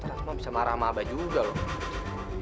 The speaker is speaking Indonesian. abah bisa marah sama abah juga loh